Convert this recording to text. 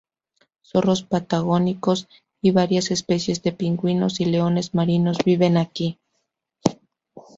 Zorros patagónicos y varias especies de pingüinos y leones marinos viven aquí.